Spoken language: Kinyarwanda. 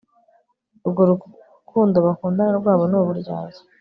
Urwo rukundo bakundana rwabo ni uburyarya